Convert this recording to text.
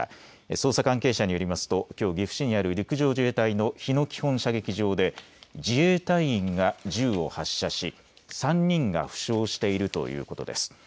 捜査関係者によりますときょう岐阜市にある陸上自衛隊の日野基本射撃場で自衛隊員が銃を発射し３人が負傷しているということです。